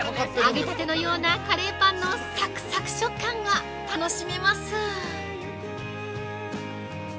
揚げたてのようなカレーパンのサクサク食感が楽しめます。